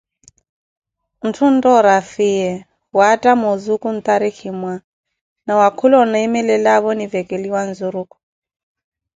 ntthu ontoori afiyiye, waattamo ozuku natarikumwa, na wa khula oneemelavo onivekhelowa nzurukhu.